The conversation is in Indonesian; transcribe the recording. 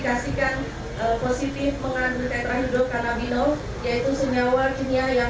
kami dari balai laboratorium narkoba